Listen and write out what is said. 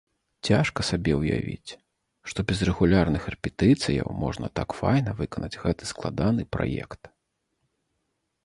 Цяжка сабе ўявіць, што без рэгулярных рэпетыцыяў можна так файна выканаць гэты складаны праект!